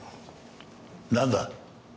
なんだ？